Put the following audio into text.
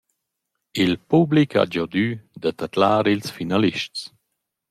Il public ha giodü da tadlar ils finalists.